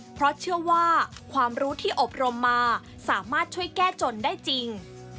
เพราะเชื่อว่าความรู้ที่อบรมมาสามารถช่วยแก้จนได้จริง